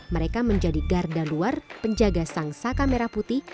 mereka menjadi garda luar penjaga sang saka merah putih